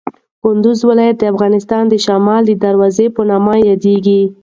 کندوز ولایت د افغانستان د شمال د دروازې په نوم یادیږي.